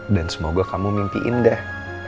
dan semoga kamu mimpiin dah